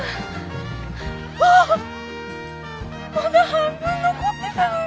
まだ半分残ってたのに。